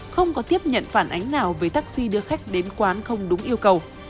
không có tiếp nhận phản ánh nào với taxi đưa khách đến quán không đúng yêu cầu